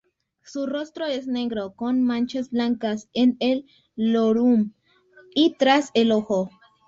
Su rostro es negro con manchas blancas en el lorum y tras el ojo.